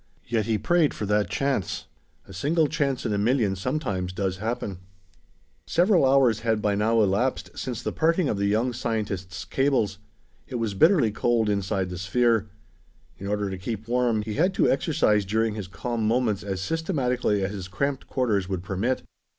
Yet he prayed for that chance. A single chance in a million sometimes does happen. Several hours had by now elapsed since the parting of the young scientist's cables. It was bitterly cold inside the sphere. In order to keep warm, he had to exercise during his calm moments as systematically as his cramped quarters would permit.